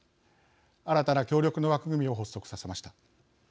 新たな協力の枠組みを発足させました。